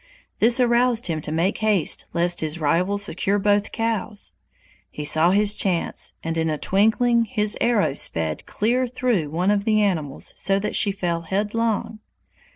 This aroused him to make haste lest his rival secure both cows; he saw his chance, and in a twinkling his arrow sped clear through one of the animals so that she fell headlong.